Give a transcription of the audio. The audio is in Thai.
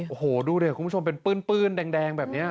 โอ้โหดูดิคุณผู้ชมเป็นปื้นแดงแบบนี้